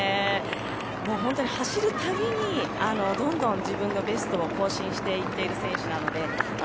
もうほんとに走るたびにどんどん自分のベストを更新していっている選手なので。